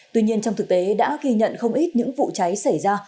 tuy nhiên trong thực tế đã ghi nhận không ít những vụ cháy xảy ra